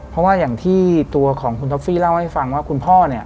เพราะว่าอย่างที่ตัวของคุณท็อฟฟี่เล่าให้ฟังว่าคุณพ่อเนี่ย